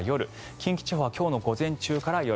近畿地方は今日の午前中から夜。